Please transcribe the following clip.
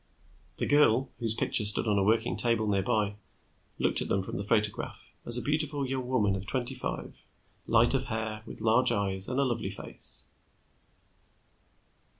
The girl, whose picture stood on a working table nearby, looked at them from the photograph as a beautiful young woman of twenty five, light of hair, with large eyes and a lovely face.